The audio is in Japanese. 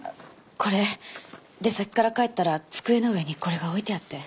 これ出先から帰ったら机の上にこれが置いてあって。